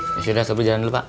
ya sudah sobeli jangan lupa pak